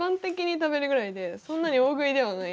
そんなに大食いではない。